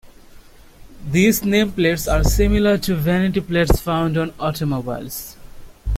These nameplates are similar to vanity plates found on automobiles.